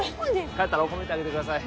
帰ったら褒めてあげてください